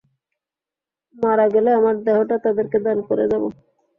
মারা গেলে আমার দেহটা তাদেরকে দান করে যাব।